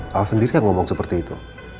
lah al sendiri yang ngomong seperti itu